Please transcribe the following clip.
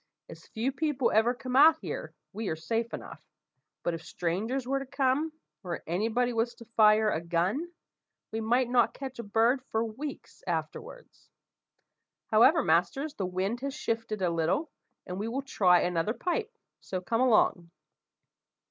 As few people ever come out here we are safe enough; but if strangers were to come, or any body was to fire a gun, we might not catch a bird for weeks afterwards. However, masters, the wind has shifted a little, and we will try another pipe; so come along."